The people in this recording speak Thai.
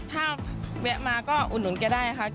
ก็แวะมาก็อุ่นแกได้ค่ะ